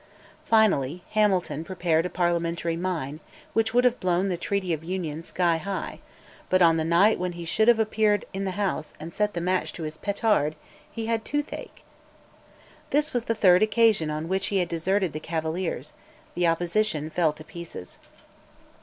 Finally, Hamilton prepared a parliamentary mine, which would have blown the Treaty of Union sky high, but on the night when he should have appeared in the House and set the match to his petard he had toothache! This was the third occasion on which he had deserted the Cavaliers; the Opposition fell to pieces.